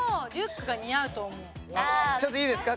ちょっといいですか？